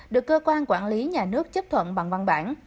được cơ quan quản lý nhà nước chấp thuận bằng văn bản